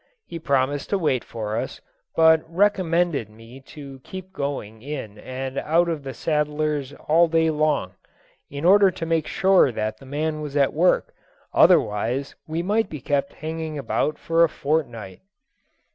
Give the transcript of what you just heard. He promised to wait for us, but recommended me to keep going in and out of the saddler's all day long, in order to make sure that the man was at work, otherwise we might be kept hanging about for a fortnight.